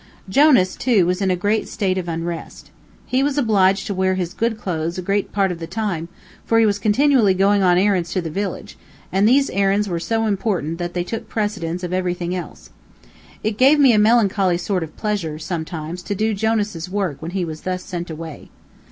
Jonas, too, was in a state of unrest. He was obliged to wear his good clothes, a great part of the time, for he was continually going on errands to the village, and these errands were so important that they took precedence of everything else. It gave me a melancholy sort of pleasure, sometimes, to do Jonas's work when he was thus sent away.